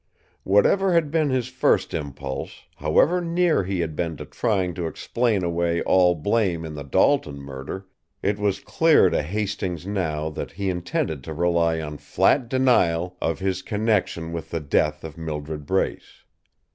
Whatever had been his first impulse, however near he had been to trying to explain away all blame in the Dalton murder, it was clear to Hastings now that he intended to rely on flat denial of his connection with the death of Mildred Brace.